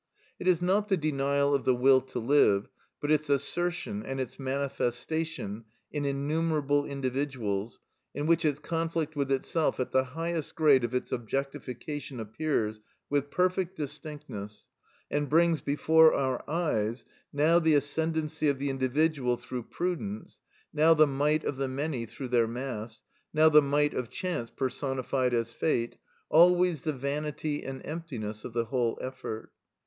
It is not the denial of the will to live, but its assertion and its manifestation in innumerable individuals in which its conflict with itself at the highest grade of its objectification appears with perfect distinctness, and brings before our eyes, now the ascendancy of the individual through prudence, now the might of the many through their mass, now the might of chance personified as fate, always the vanity and emptiness of the whole effort.